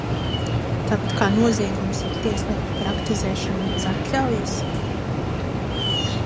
Tāpat kā noziegums ir tieslietu praktizēšana bez atļaujas?